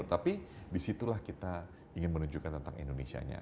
tapi disitulah kita ingin menunjukkan tentang indonesia nya